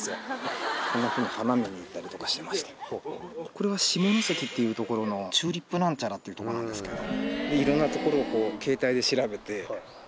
これは下関っていう所のチューリップ何ちゃらっていうとこなんですけど。